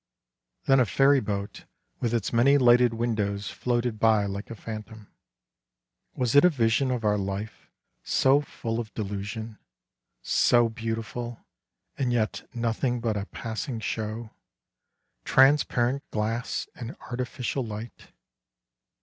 Then a ferryboat with its many lighted windows floated by like a phantom. Was it a vision of our life, so full of delusion, so beautiful, and yet nothing but a passing show — transparent glass and artificial light